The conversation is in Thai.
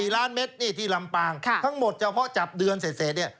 ๔ล้านเมตรนี่ที่ลำปางทั้งหมดเฉพาะจับเดือนเสร็จเนี่ย